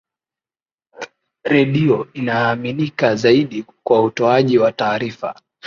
redio inaaminika zaidi kwa utoaji wa taarifa